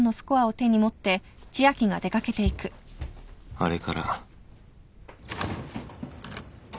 あれから